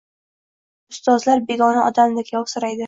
Ustozlar begona odamdek yovsiraydi.